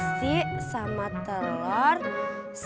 seharusnya yang terbaik